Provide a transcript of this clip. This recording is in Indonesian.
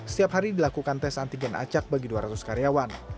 setiap hari dilakukan tes antigen acak bagi dua ratus karyawan